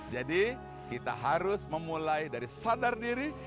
jadi kita harus memulai dari sadar diri